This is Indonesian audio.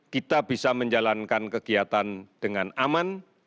kita bisa menjalankan kegiatan dengan aman